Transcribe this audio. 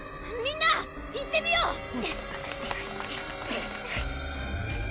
みんな行ってみよう！